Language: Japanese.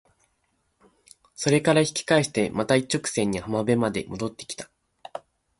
それから引き返してまた一直線に浜辺まで戻って来た。